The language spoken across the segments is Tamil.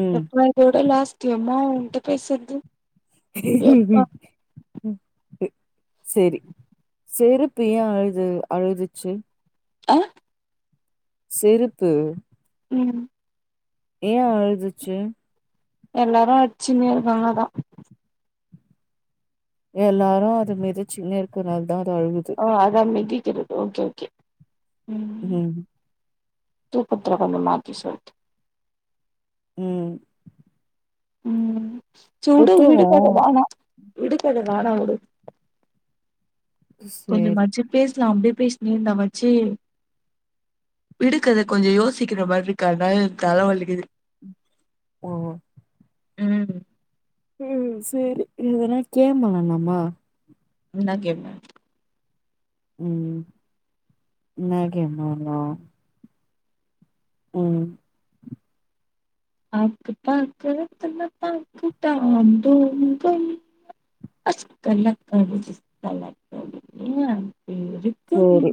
ம் எப்ப பாய்ண்டோட லாஸ்ட்டு யம்மா ஓன்ட்ட பேஸ்றது உஹம்ம் செரி செருப்பு ஏ அழுது அழுதுச்சு ஆ செருப்பு ம் ஏ அழுதுச்சு எல்லாரு அடிச்சுன்னே இருக்காங்க தா எல்லாரு அது மிதிச்சினே இருக்கனால தா அது அழுவுது அத மிதிக்குது ஓகே ஓகே ம் ம் தூக்கத்துல கொஞ்ச மாத்தி சொல்ட்டே ம் ம் சூடு புத்தகோ விடுக்கது வேணா விடுகதை வேணா உடு சேரி கொஞ்சமாச்சு பேசலா அப்படியே பேசினி இருந்த ஆச்சு விடுக்கத கொஞ்ச யோசிக்கிற மாரி இருக்கா அதனால தலைவலிக்குது ம் ம் ம் சரி இதனா கேம் ஆடலாமா என்ன கேம் ம் என்னா கேமா ஒன்னு ம் ஆக்கு பக்கு வெத்தல பாக்கு தாம் தூம்மு கொய்யா அஷ்ட லக்காடி இஸ்தலக்கடி ஏம் பேரு கொய்யா சேரி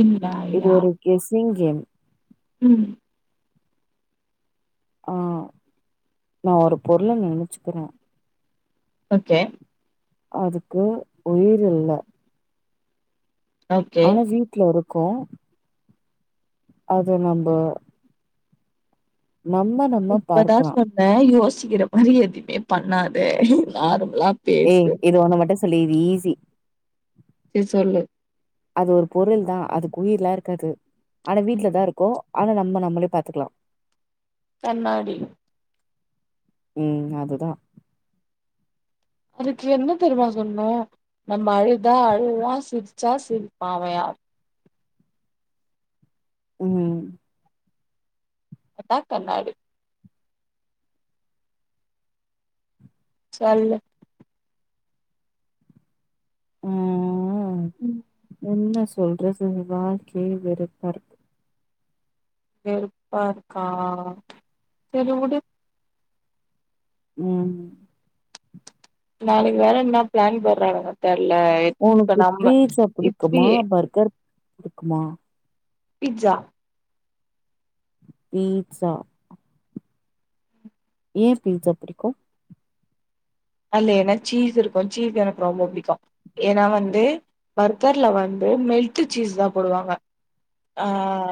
இன் பாலா ஹெசிங்கேம் ம் ஆ நா ஒரு பொருள நெனச்சிக்கிறே ஓகே அதுக்கு உயிர் இல்ல ஓகே. ஆனா வீட்ல இருக்கூ அது நம்ப நம்மனும் இப்பதா சொன்னே யோசிக்கிற மாதிரி எதுவுமே பண்ணாதே நார்மலா ஏய் பேசு. இது ஒண்ண மட்டு சொல்லு இது ஈஸி சரி சொல்லு அது ஒரு பொருள் தா அதுக்கு உயிரலா இருக்காது ஆனா ம். வீட்ல தா இருக்கூ ஆனா நம்ம நம்மளே பாத்துக்கலா கண்ணாடி ம் அதுதா அதுக்கு என்ன தெரியமா சொன்னோ நம்ம அழுதா அழுதா சிரிச்சா சிரிப்பா அவ யாரு ம் அட்டா கண்ணாடி சொல்லு அ ஆ ம் என்ன சொல்றது வாழ்க்கைய வெறுப்பாருக்கு வெறுப்பா இருக்கா சரி விடு ம் நாளைக்கு வேற என்ன பிளான் போடுறாங்க தெரல உனக்கு பீட்ஸா புடிக்குமா பர்கர் புடிக்குமா பீட்ஷா பீட்ஷா ஏ பீட்ஷா பிடிக்கு அல்ல ஏன்னா சீஸ் இருக்கு சீஸ் எனக்கு ரொம்ப புடிக்கு ஏன்னா வந்து பர்கர்ல வந்து மெல்ட்டு சீஸ் தா போடுவாங்க ஆ ஆ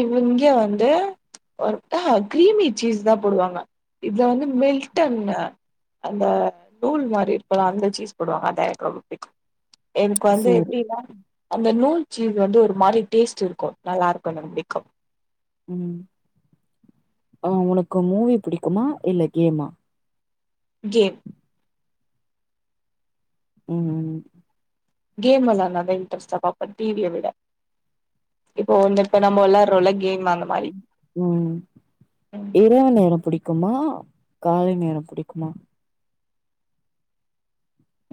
இவுங் இங்கே வந்து ஒருட்டா கிரீமி சீஸ் தா போடுவாங்க இத வந்து மெல்ட்ன்ன அந்த நூல் மாரி இருக்குல்ல அந்த சீஸ் போடுவாங்க அதது எனக்கு ரொம்ப புடிக்கு எனக்கு வந்து சேரி எப்டின்னா அந்த நூல் சீல் வந்து ஒரு மாரி டேஸ்ட்டு இருக்கு நல்லா இருக்கு எனக்கு புடிக்கு ம் ஆ உனக்கு மூவி புடிக்குமா இல்ல கேமா கேம் ம் ம் கேம் வெள்லாண்டாக்க இன்ட்ரஸ்டா பாப்பே டிவிய விட இப்போ வந்து இப்ப நம்ம வெளாட்றோல கேம் அங்க ம் இப் தியோ நேரோ புடிக்குமா காலை நேரம் புடிக்குமா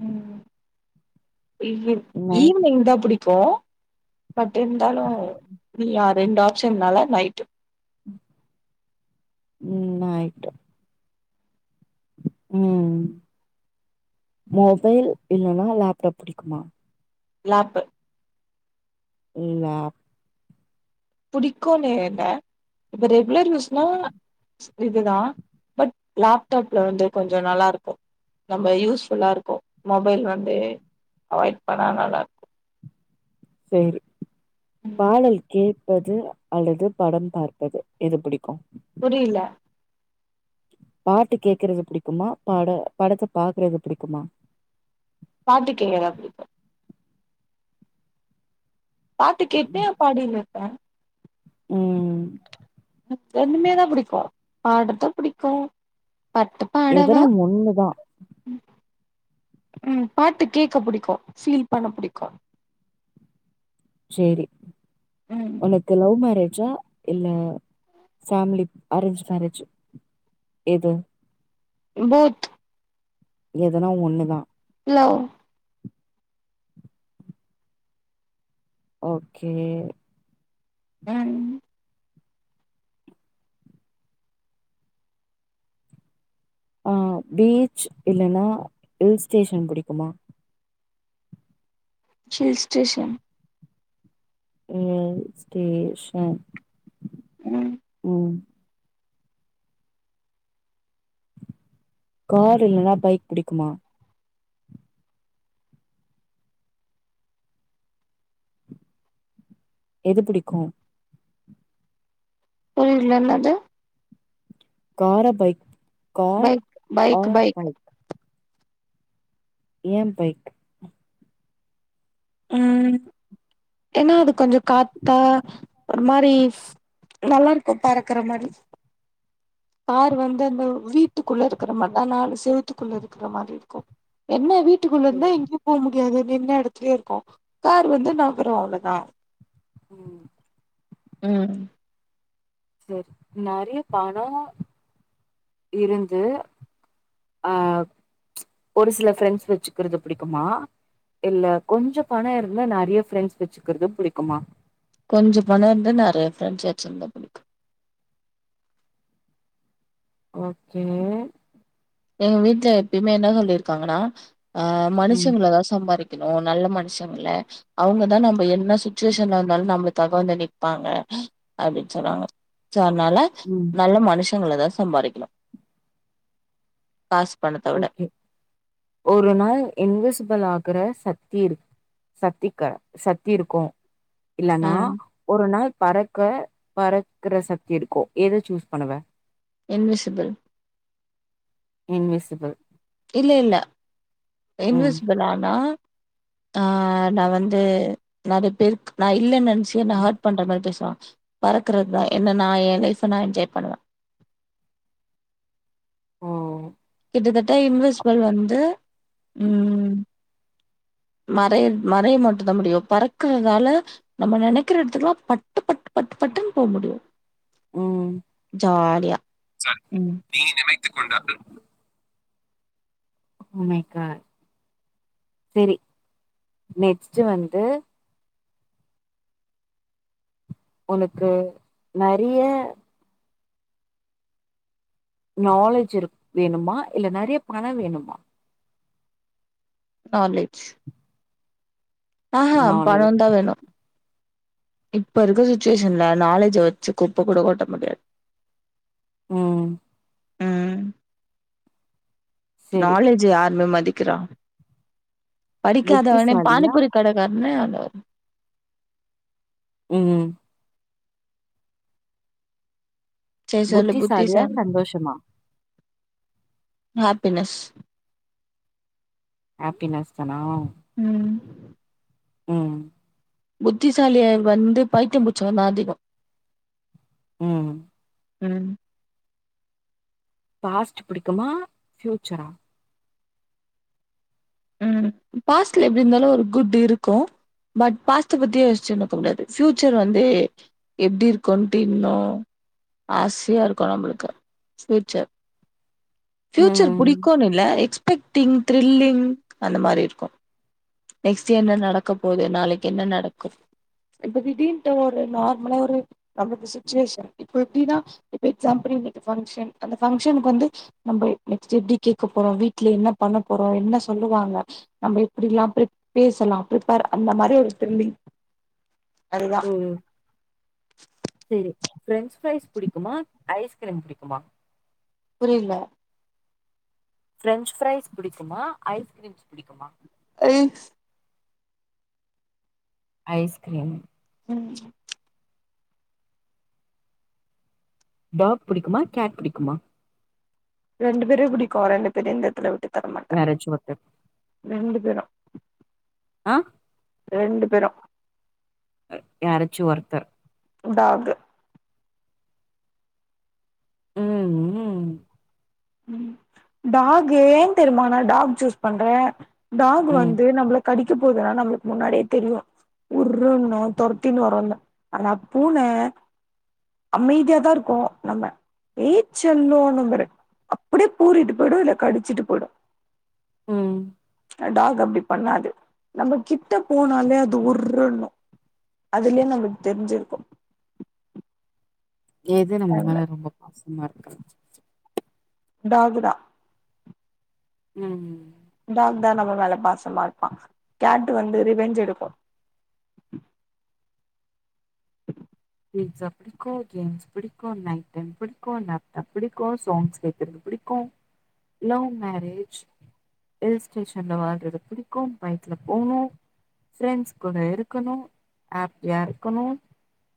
ம் இல்லைங் நைட் ஈவினிங் தா புடிக்கு பட் இருந்தாலு நீயா ரெண்டு ஆப்ஷன்னால நைட்டு ம் நைட்டு ம் மொபைல் இல்லேன்னா லேப்டாப் புடிக்குமா லாப்பு இன் லாப் பிடிக்கும்னுு ஏ இப்ப ரெகுலர் யூஸ்னா இதுதா பட் லேப்டாப்ல வந்து கொஞ்சோ நல்லாருக்கு நம்ம யூஸ் ஃபுல்லா இருக்கு மொபைல் வந்து அவாய்ட் பண்ணா நல்லாருக் செரி பாடல் கேட்பது அல்லது படம் பார்ப்பது எது பிடிக்கு புரியல பாட்டு கேக்குறது புடிக்குமா பாடோ படத்த பாக்குறது புடிக்குமா பாட்டு கேக்குறே அப்டி பாட்டு கேப்பே பாடின் இருப்பே ம் ரெண்டுமே தா புடிக்கு பாட்றது புடிக்கு பாட்டுப் எதுனா ஒன்னுதா ம் பாட்டு கேக்க புடிக்கு பீல் பண்ண புடிக்கு சேரி ம் ஒனக் க்கு லவ் மேரேஜா இல்ல பேமிலி அரேஞ்ச் மேரேஜ் எது விபூத் எதுனா ஒன்னு தா லவ் ஓகே ம் பீச் இல்லன்னா ஹில்ஸ் டேஷன் புடிக்குமா ஹில்ஸ் ஸ்டேஷன் ஹில் ஸ்டேஷன் ம் ம் கார் இல்லனா பைக் புடிக்குமா எது புடிக்கு புரியல என்னது காரா bike car bike bike or bike எ பைக் [inaudible] ஏனா அது கொஞ்ச காத்தா ஒரு மாரி ஸ் நல்லா இருக்கு பறக்குற மாரி காரு வந்து அந்த வீட்டுக்குள்ள இருக்கிற மாரிதா நாலு செவத்துக்குள்ள இருக்கிற மாரி இருக்கு என்ன வீட்டுக்குள்ளருந்தா எங்கேயு ப முடியாது நின்ன எடத்துலயே இருக்கு கார் வந்து நகரு அவ்ளோதா ம் ம் சேரி நெறைய பணோ இருந்து அ ஒரு சில ஃப்ரெண்ட்ஸ் வெச்சுக்கிறது புடிக்குமா இல்ல கொஞ்ச பண இருந்து நெறைய ஃப்ரெண்ட்ஸ் வெச்சுக்கிறது புடிக்குமா கொஞ்ச பண இருந்து நெறைய ஃப்ரெண்ட்ஸ் வெச்சிருந்தா புடிக்கு ஓகே எங்க வீட்ல எப்பயுமே என்ன சொல்லிருக்காங்கனா அ ம் மனுஷங்களதா சம்பாரிக் கணு நல்ல மனுஷங்கள அவங்கதா நம்ம என்ன சுச்சுவேஷன்ல இருந்தாலு நம்மளுக்காக வந்து நிப்பாங்க அப்டின் சொல்லுவாங்க சோ அதுனால ம் நல்ல மனுஷங்கள தா சம்பாரிக்கணு பாஸ் ஓகே ஒரு நாள் இன்வெசிபில் ஆகுற சத்தி இருக் சத்திக்கா சத்தி இருக்கு இல்லனா ம் ஒரு நாள் பறக்க பறக்குற சக்தி இருக்கு எத சூஸ் பண்ணுவ என்விசிபிள் இன்விசிபிள் இல்ல இல்ல ம் என்விசிபிள் ஆனா ஆ நா வந்து நெறைய பேருக்கு நா இல்லன் என் ச்சு நா ஹர்ட் பண்ற மாரி பேசுவா பறக்குறதுதா என்ன நா எ லைஃப நா என்ஜாய் பண்ணுவே ம் கிட்டத்தட்ட இன்வெஸ்பிள் வந்து ம் மறை மறைய மட்டு தா முடியு பறக்குறதால நம்ம நெனைக்கிற எடத்துக்குலா பட்டு பட்டு பட்டு பட்டுன் போ முடியு ம் ஜாலியா ம் நீ நினைத்துக் கொண்டார்கள் oh my god sorry next வந்து உனக்கு நெறைய நாலேஜ் இருக் வேணுமா இல்ல நெறைய பண வேணுமா நாலேஜ் ஆ ஹா நாலேஜ் பணந்தா வேணு இப்ப இருக்க சுச்சுவேஷன்ல நாலேஜ வெச்சு குப்ப கூட கொட்ட முடியாது ம் ம். செரி நாலேஜு யாருமே மதிக்கிறா படிக்காதவனே புத்திசாலியா பானிபுரி கடைக்காரனே அந்த ம் ம் சேரி சொல்லு புத்திசாலியா புத்திசாலி சந்தோஷமா ஹாப்பினஸ் ஹாப்பினஸ் தானா ம் ம் புத்திசாலிய வந்து பைத்தியம் புடுட்சவந்தா அதிகோ ம் ம் பாஸ்ட் புடிக்குமா ஃப்யூச்சரா ம் பாஸ்ட்ல எப்டி இருந்தாலு ஒரு குட் இருக்கு பட் பாஸ்ட்ட பத்தி யோசுன்ருக்க கூடாது ஃப்யூச்சர் வந்து எப்டி இருக்கோன்டு இன்னோ ஆசையா இருக்கு நம்மளுக்கு ஃப்யூச்சர் பஃயூச்சர் ம் பிடிக்குன்னு இல்ல எக்ஸ்பெக்டிங் த்ரில்லிங் அந்த மாரி இருக்கு நெக்ஸ்ட் என்ன நடக்கப் போது நாளைக்கி என்ன நடக்கு இப்ப திடீர்ன்ட்டு ஒரு நார்மலா ஒரு நம்மளுக்கு சுட்வேஷன் இப்ப எப்டின்னா இப்ப எக்ஸாம்புள் இன்னைக்கு பங்ஷன் அந்த பங்க்ஷனுக்கு வந்து நம்ம நெக்ஸ்ட் எப்டி கேக்க போறோ வீட்ல என்ன பண்ண போறோ என்ன சொல்லுவாங்க நம்ம எப்டில்லா ப்ரிப் பேசலா ப்ரிப்பேர் அந்த மாரி ஒரு திரும்பி அதுதா ம் செரி ஃப்ரெஞ்ச் ஃப்ரைஸ் புடிக்குமா ஐஸ்கிரீம் புடிக்குமா புரியல ப்ரெஞ்ச் ஃப்ரைஸ் புடிக்குமா ஐஸ்கிரீம்ஸ் புடிக்குமா ஜஸ் ஐஸ்கிரீம் ம் பாப் புடிக்குமா கேட் புடிக்குமா ரெண்டு பேரையு புடிக்கு ரெண்டு பேரையு இந்த எடத்துல விட்டு தர மாட் யாரச்சு ஒருத்தர் ரெண்டு பேரு ஆ ரெண்டு பேரு யாரச்சு ஒருத்தர் டாக்கு ம் ம் டாகு ஏ தெரியுமா நா டாக் ஜூஸ் பண்றே டாக் ம் வந்து நம்பளக் கடிக்க போகுதுன்னா நம்மளுக்கு முன்னாடியே தெரியு உருன்னு தொரத்தின்னு வரு அந்த ஆனா பூன அமைதியாதா இருக்கு நம்ம ஏ செல்லோ நம்ப அப்டியே பூறிட்டு போயிடு இல்ல கடிச்சுட்டு போய்டு ம் அ டாக் அப்டி பண்ணாது நம்ம கிட்ட போனாலே அது உர்ருன்னு அதுலயே நம்மளுக் தெரிஞ்சுருக்கு எது நம்ம அதனால மேல ரொம்ப பாசமா இருக்கு டாக்கு தா ம் டாக் தா நம்ம மேல பாசமா இருப்பான் கேட் வந்து ரிவெஞ்ச் எடுக்கு பீட்ஸா புடி கூல்ட்ரிங்ஸ் பிடிக்கு நைட் டைம் புடிக்கு லேப்டாப் பிடிக்கு சாங்ஸ் கேக்குறது பிடிக்கு லவ் மேரேஜ் ஹில் ஸ்டேஷன்ல வாழ்றது பிடிக்கு பைக்ல போணு ஃபிரெண்ஸ் கூட இருக்கணு ஹாப்பியா இருக்கணு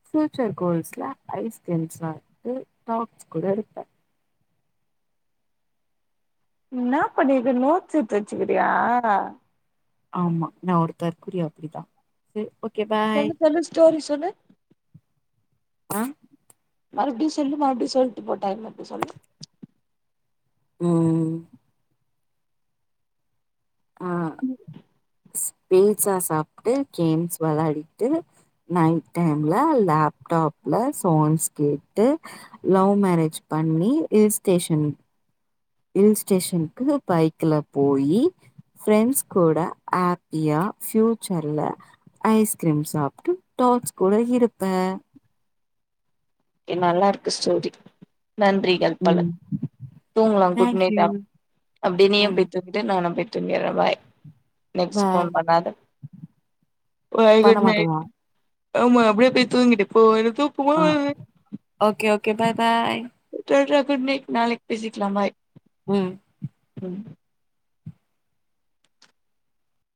ஃப்யூச்சர் கோல்ஸ்ல ஐஸ்கிரீம் சாப்ட்டு டாக்ஸ் கூட இருப்ப இன்ன பண்ணிக்ற நோட்ஸ் எட்த்து வச்சுக்கிறியா ஆமா நா ஒரு தற்குரி அப்டிதா சேர் ஓகே பா சொல்லு சொல்லு ஸ்டோரி சொல்லு ஆ மறுப்டியு சொல்லு மறுப்டியு சொல்ட்டு போ டைம் இருக்கு சொல்லு ம் ஆ பீட்ஸா சாப்டு கேம்ஸ் வெளாடிட்டு நைட் டைம்ல லேப்டாப்ல சாங்ஸ் கேட்டு லவ் மேரேஜ் பண்ணி ஹில்ஸ் ஸ்டேஷன் ஹில் ஸ்டேஷன்க்கு பைக்குல போயி ஃபிரெண்ஸ் கூட ஆப்பியா ஃபியூச்சர்ல ஐஸ்கிரீம் சாப்ட்டு டாக்ஸ் கூட இருப்பன் ஏ நல்லா இருக்கு ஸ்டோரி நன்றி எழ்ப்பல ம் தூங்குலா குட் தேங்க்யூ நைட்டா அப்டியே நீயு ம் போய் தூ கிடு நானு போய் தூங்கிற பாய் நெக்ஸ்ட்டு பாய் ஃபோன் பண்ணாத பாய் பண்ண குட்நைட் மாட்டியா ஆமா அப்டியே போய் தூங்கிட்டு போ எனக்கு தூக்கமா ஆ வருது okay okay bye bye tata good night நாளைக் பேசிக்லா பாய் ம் ம்